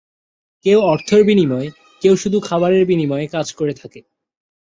কেউ অর্থের বিনিময়ে, কেউ শুধু খাবারের বিনিময়ে কাজ করে থাকে।